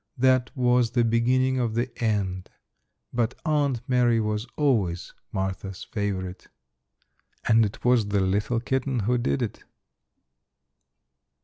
That was the beginning of the end, but Aunt Mary was always Martha's favorite. And it was the little kitten who did it.